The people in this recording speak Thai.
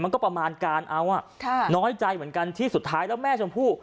ประมาณการเอาน้อยใจเหมือนกันที่สุดท้ายแล้วแม่ชมพู่